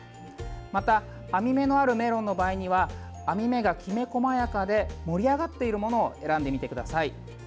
また網目のあるメロンの場合には網目がきめこまやかで盛り上がっているものを選んでみてください。